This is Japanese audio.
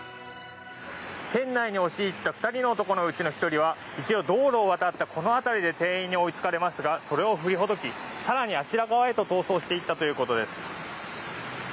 店内に押し入った２人の男のうちの１人はこちら、道路を渡ったこの辺りのところで店員に追いつかれそれを振りほどき更にあちら側へと逃走していったということです。